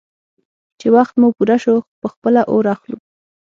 _چې وخت مو پوره شو، په خپله اور اخلو.